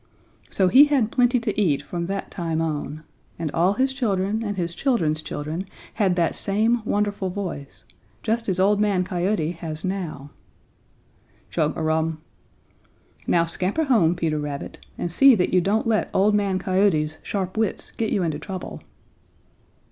"So he had plenty to eat from that time on. And all his children and his children's children had that same wonderful voice, just as Old Man Coyote has now. Chug a rum! Now scamper home, Peter Rabbit, and see that you don't let Old Man Coyote's sharp wits get you into trouble."